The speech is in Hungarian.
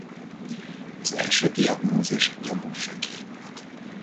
Az első diagnózis gyomorfekély volt.